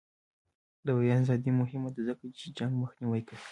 د بیان ازادي مهمه ده ځکه چې جنګ مخنیوی کوي.